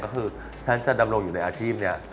ก็คือฉันจะดำรงอยู่ในอาชีพนี้